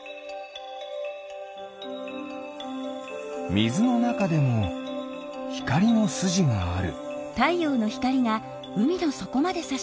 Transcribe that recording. みずのなかでもひかりのすじがある。